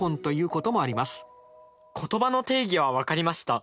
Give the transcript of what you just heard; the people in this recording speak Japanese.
言葉の定義は分かりました。